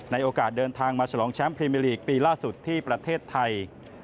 โอกาสเดินทางมาฉลองแชมป์พรีเมอร์ลีกปีล่าสุดที่ประเทศไทย